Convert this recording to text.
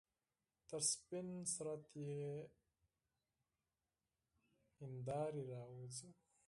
تر سپین بدن یې آئینې راوځي